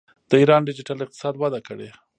د ایران ډیجیټل اقتصاد وده کړې.